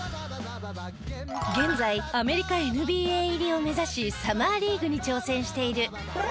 現在アメリカＮＢＡ入りを目指しサマーリーグに挑戦している